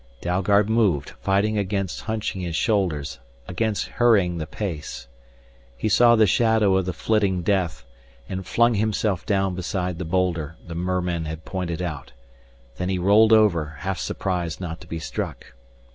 Dalgard moved, fighting against hunching his shoulders, against hurrying the pace. He saw the shadow of the flitting death, and flung himself down beside the boulder the mermen had pointed out. Then he rolled over, half surprised not to be struck.